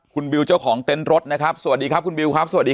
คุณบิวเจ้าของเต้นรถนะครับสวัสดีครับคุณบิวครับสวัสดีครับ